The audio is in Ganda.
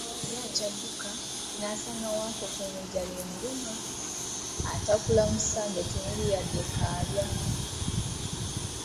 Bwe yali akyadduka, n'asanga Wankoko ng'enjala emuluma, atakula mu ssanja temuli wadde kaalya.